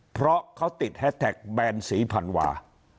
เพราะเขาติดแฮสแท็กแบนศรีพันวา